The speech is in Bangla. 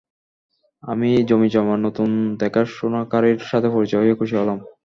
আমার জমিজমার নতুন দেখাশোনাকারীর সাথে পরিচয় হয়ে খুশি হলাম।